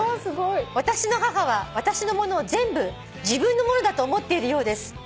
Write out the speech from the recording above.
「私の母は私のものを全部自分のものだと思っているようです」